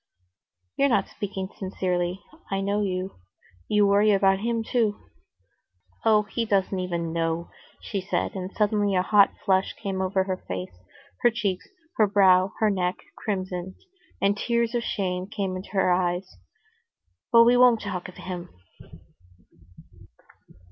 "You're not speaking sincerely. I know you. You worry about him too." "Oh, he doesn't even know," she said, and suddenly a hot flush came over her face; her cheeks, her brow, her neck crimsoned, and tears of shame came into her eyes. "But we won't talk of him."